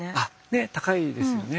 ね高いですよね。